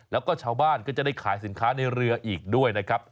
แล้วก็ชาวบ้านก็จะได้ขายสินค้าในเรืออีกด้วยนะครับ